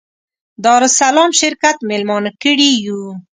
دارالسلام شرکت مېلمانه کړي یو.